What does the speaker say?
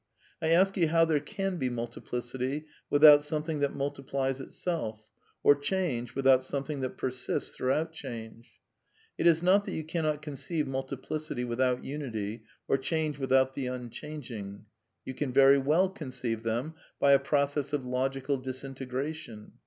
I ask you how there can be multiplicity without something that multi plies itself, or change without something that persists throughout change. It is not that you cannot conceive multiplicity without unity, or change without the unchanging. You can very well conceive them by a process of logical disintegration.